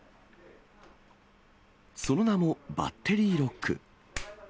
その名もバッテリーロック。